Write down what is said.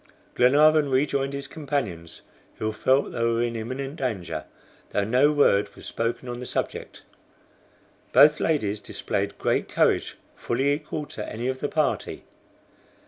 Glenarvan rejoined his companions, who felt they were in imminent danger, though no word was spoken on the subject. Both ladies displayed great courage, fully equal to any of the party.